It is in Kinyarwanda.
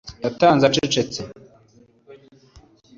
Yatanze acecetse